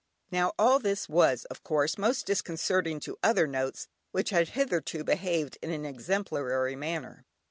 Now all this was, of course, most disconcerting to other notes which had hitherto behaved in an exemplary manner.